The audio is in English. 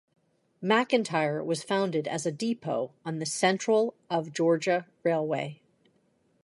McIntyre was founded as a depot on the Central of Georgia Railway.